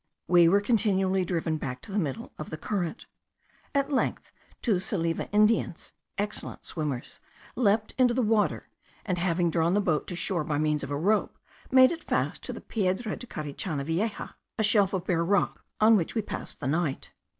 We were continually driven back to the middle of the current. At length two Salive Indians, excellent swimmers, leaped into the water, and having drawn the boat to shore by means of a rope, made it fast to the Piedra de Carichana Vieja, a shelf of bare rock, on which we passed the night.